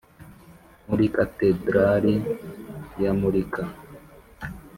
muri katedrali yamurika,